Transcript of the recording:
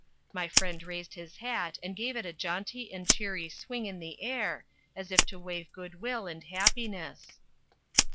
My friend raised his hat and gave it a jaunty and cheery swing in the air as if to wave goodwill and happiness.